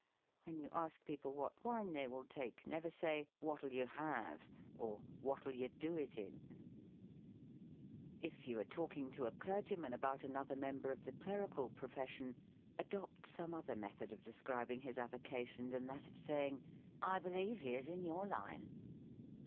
When you ask people what wine they will take, never say, " What'll you have ?" or, " What'll you do it in .?" YOUNG STUDENTS. 143 If you are talking to a clergyman about another member of the clerical profession, adopt some other method of describing his avocation than that of saying, " I believe he is in your line."